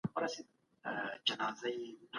دا حديث امام نِسائي په خپل سُنن کي نقل کړی دی